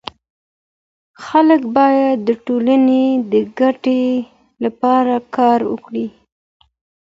خلګ باید د ټولني د ګټو لپاره کار وکړي.